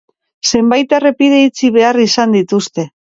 Zenbait errepide itxi behar izan dituzte.